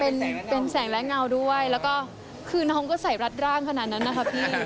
ก็เป็นแสงและเงาง้าด้วยน้องก็ใส่ลัดอย่างขนาดนั้นน่ะค่ะค่ะพี่